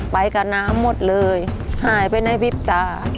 ไปกับน้ำหมดเลยหายไปในวิบตา